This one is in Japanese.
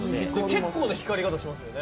結構な光り方しますよね。